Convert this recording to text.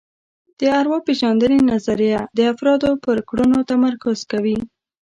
د ارواپېژندنې نظریه د افرادو پر کړنو تمرکز کوي